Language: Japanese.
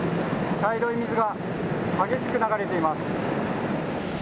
茶色い水が激しく流れています。